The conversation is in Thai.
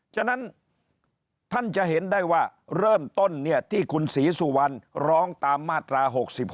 ฉะนั้นท่านจะเห็นได้ว่าเริ่มต้นที่คุณศรีสุวรรณร้องตามมาตรา๖๖